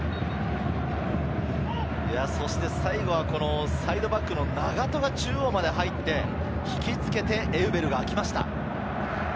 そして最後はサイドバックの永戸が中央まで入って、引き付けてエウベルがあきました。